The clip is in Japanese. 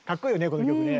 この曲ね。